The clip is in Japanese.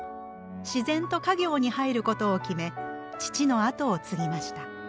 自然と家業に入ることを決め父の後を継ぎました。